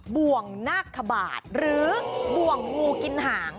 บ่วงนาคบาทหรือบ่วงงูกินหาง